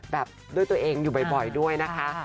แบบด้วยตัวเองอยู่บ่อยด้วยนะคะ